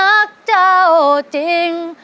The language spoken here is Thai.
ในการร้อง